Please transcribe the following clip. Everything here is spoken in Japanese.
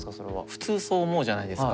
普通そう思うじゃないですか。